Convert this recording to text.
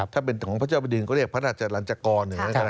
ถ้าเป็นของพระเจ้าประดิษฐ์ก็เรียกว่าพระราชรรจกร